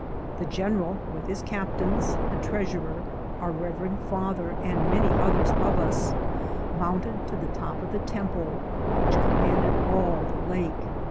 The general, with his cap tains, the treasurer, our reverend father, and many others of us, mounted to the top of the temple, which command ed all the lake."